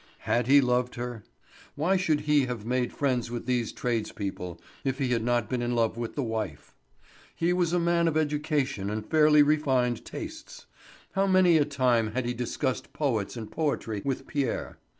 Had he loved her? Why should he have made friends with these tradespeople if he had not been in love with the wife? He was a man of education and fairly refined tastes. How many a time had he discussed poets and poetry with Pierre.